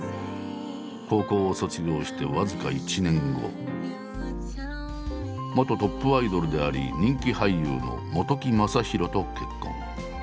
高校を卒業して僅か１年後元トップアイドルであり人気俳優の本木雅弘と結婚。